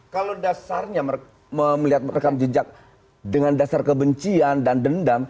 kalau dasarnya melihat rekam jejak dengan dasar kebencian dan dendam